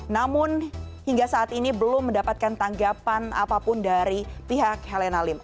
namun hingga saat ini belum mendapatkan tanggapan apapun dari pihak helena lim